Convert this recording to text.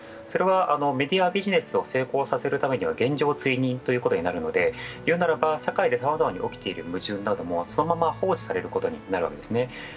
それは、メディアビジネスを成功させるためには現状追認ということになるので言うならば社会でさまざまに起きている矛盾などもそのまま放置されることになるわけですね。